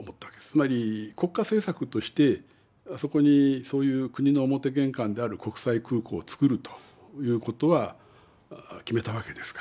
つまり国家政策としてそこにそういう国の表玄関である国際空港を造るということは決めたわけですから。